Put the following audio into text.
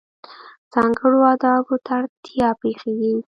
ځانګړو آدابو ته اړتیا پېښېږي.